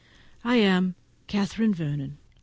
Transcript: I am, &c., CATHERINE VERNON.